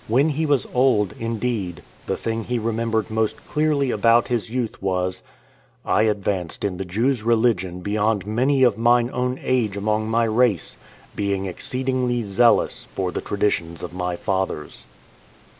When he was old, indeed, the thing he remembered most clearly about his youth was " I advanced in the Jews' religion beyond many of mine own age among my race, being exceed ingly zealous for the traditions of my fathers."